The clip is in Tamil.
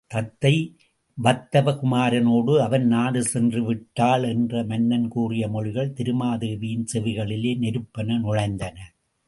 தத்தை வத்தவ குமரனொடு அவன் நாடு சென்றுவிட்டாள் என்று மன்னன் கூறிய மொழிகள் திருமாதேவியின் செவிகளிலே நெருப்பென நுழைந்தன.